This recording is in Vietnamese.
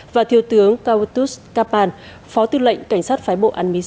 và thiếu tướng kautus capal phó tư lệnh cảnh sát phái bộ anmis